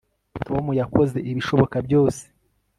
tom yakoze ibishoboka byose